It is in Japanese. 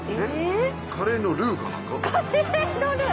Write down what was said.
カレーのルーか何か？